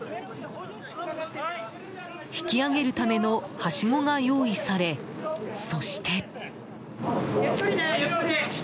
引き上げるためのはしごが用意され、そして。